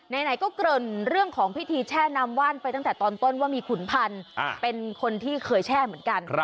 ไหนก็เกริ่นเรื่องของพิธีแช่น้ำว่านไปตั้งแต่ตอนต้นว่ามีขุนพันธุ์เป็นคนที่เคยแช่เหมือนกัน